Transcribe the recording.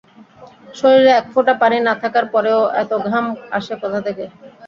শরীরে এক ফোঁটা পানি না থাকার পরেও এতো ঘাম আসে কোথা থেকে?